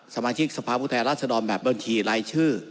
สมาชิกสภาพุทธแหละสดอมแบบบัญชีลายชื่อ